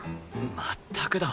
まったくだ。